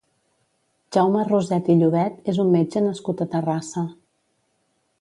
Jaume Roset i Llobet és un metge nascut a Terrassa.